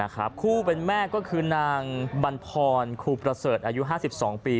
คู่เป็นแม่ก็คือนางบรรพรครูประเสริฐอายุ๕๒ปี